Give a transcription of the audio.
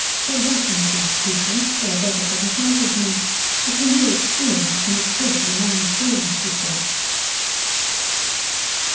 They want me, these people; they are better for the sight of me. It is a new experience, and it is good for a man's soul," he said.